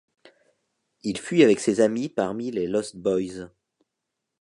Il fuit avec ses amis parmi les Lost Boys.